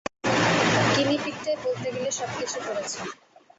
গিনিপিগটাই বলতে গেলে সবকিছু করেছে।